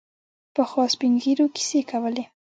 پخوا سپین ږیرو کیسې کولې.